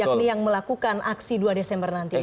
yakni yang melakukan aksi dua desember nanti